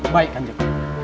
baik kan cik